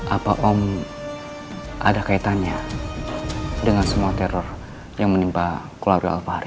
apa om ada kaitannya dengan semua teror yang menimpa kolaruy alfahar